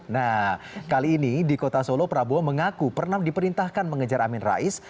nah kali ini di kota solo prabowo mengaku pernah diperintahkan mengejar amin rais